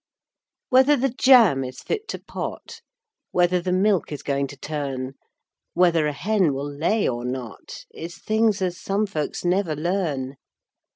Whether the jam is fit to pot, Whether the milk is going to turn, Whether a hen will lay or not, Is things as some folks never learn.